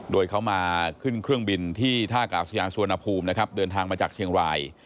โดยเขามาขึ้นเครื่องบินที่ท่ากาศยานสุวรรณภูมินะครับเดินทางมาจากเชียงราย